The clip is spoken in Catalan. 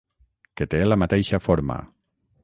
Que té la mateixa forma.